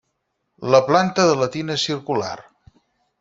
La planta de la tina és circular.